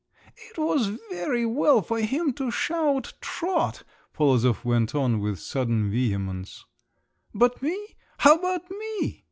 "It was very well for him to shout, 'Trot!'" Polozov went on with sudden vehemence, "But me! how about me?